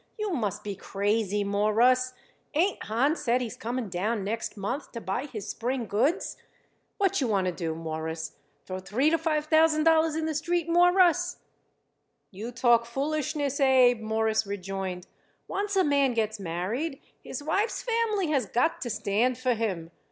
You must be crazy, Mawruss. Ain't Hahn said he's coming down next month to buy his spring goods? What you want to do, Mawruss? Throw three to five thousand dollars in the street, Mawruss?" "You talk foolishness, Abe," Morris rejoined. "Once a man gets married, his wife's family has got to stand for him.